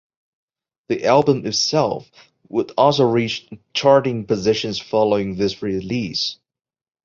The album itself would also reach charting positions following its release.